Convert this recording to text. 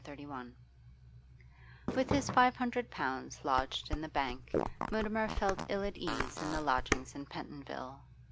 CHAPTER XXXI With his five hundred pounds lodged in the bank, Mutimer felt ill at ease in the lodgings in Pentonville.